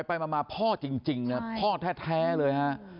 ไปมาพ่อจริงนะพ่อแท้เลยฮะ